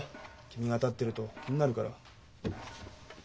君が立ってると気になるから。